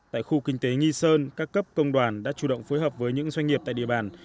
tại khu kinh tế nghi sơn các cấp công đoàn đã chủ động phối hợp với những doanh nghiệp tại địa bàn